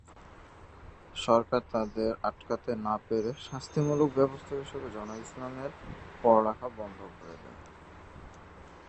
সরকার তাদের আটকাতে না পেরে শাস্তি মুলক ব্যবস্থা হিসেবে জনাব ইসলামের পড়ালেখা বন্ধ করে দেন।